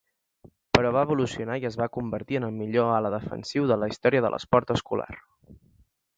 Però va evolucionar i es va convertir en el millor ala defensiu de la història de l'esport escolar.